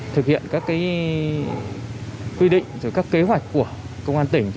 thực hiện các quy định các kế hoạch của công an tỉnh